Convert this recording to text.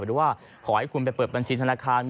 หรือว่าขอให้คุณไปเปิดบัญชีธนาคาร